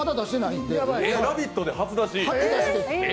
「ラヴィット！」で初出し。